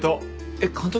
えっ監督？